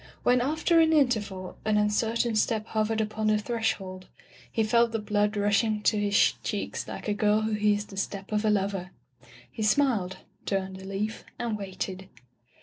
When, after an interval, an un certain step hovered upon the threshold, he felt the blood rushing to his cheeks like a girl who hears the step of a lover. He smiled, turned a leaf, and waited.